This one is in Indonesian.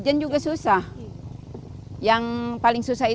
sejumlah kerajinan tangan